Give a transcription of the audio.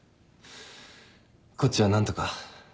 こっちは何とか。